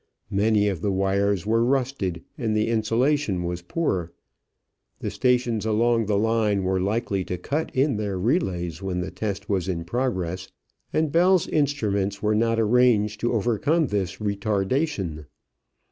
Many of the wires were rusted and the insulation was poor. The stations along the line were likely to cut in their relays when the test was in progress, and Bell's instruments were not arranged to overcome this retardation.